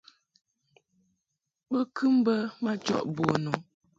Bo kɨ mbə majɔʼ bun mɛ o.